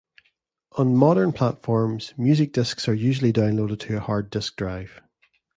On modern platforms, music disks are usually downloaded to a hard disk drive.